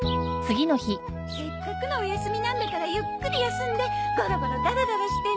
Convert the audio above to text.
せっかくのお休みなんだからゆっくり休んでゴロゴロダラダラしてね。